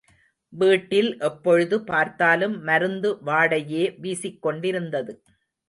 வீட்டில் எப்பொழுது பார்த்தாலும் மருந்து வாடையே வீசிக்கொண்டிருந்தது.